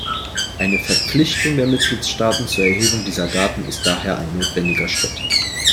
Eine Verpflichtung der Mitgliedstaaten zur Erhebung dieser Daten ist daher ein notwendiger Schritt.